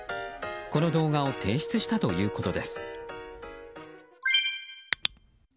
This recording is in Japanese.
この動画を提出したということです。